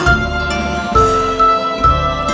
keluarga itu bahagia dan menikmati hari natal